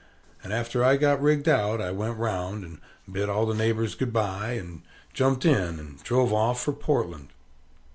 And after I got rigged out, I went round and bid all the neighbors good by, and jumped in, and drove off for Portland.